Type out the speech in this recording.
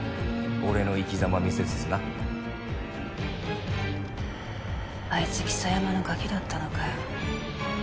俺の生きざま見せつつなあいつ象山のガキだったのかよ。